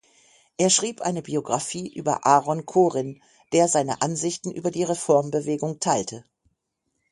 Er schrieb eine Biographie über Aaron Chorin, der seine Ansichten über die Reformbewegung teilte.